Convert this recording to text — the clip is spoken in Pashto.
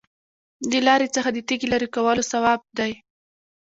د لارې څخه د تیږې لرې کول ثواب دی.